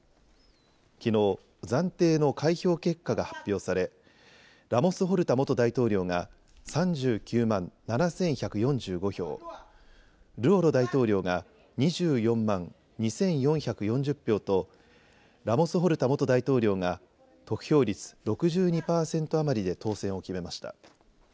きのう暫定の開票結果が発表されラモス・ホルタ元大統領が３９万７１４５票、ルオロ大統領が２４万２４４０票とラモス・ホルタ元大統領が得票率６２％余りで当選を決めました。